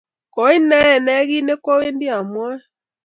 Koi nae ne kit ne kwawendi amwae?